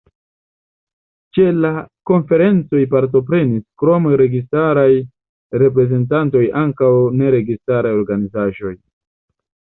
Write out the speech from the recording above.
Ĉe la konferencoj partoprenis krom registaraj reprezentantoj ankaŭ neregistaraj organizaĵoj.